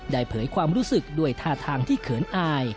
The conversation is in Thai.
เผยความรู้สึกด้วยท่าทางที่เขินอาย